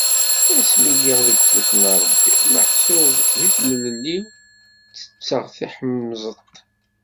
Asmi lliɣ deg ufus n Rebbi, meḥsub di tlelli-w, ttetteɣ tiḥemẓet.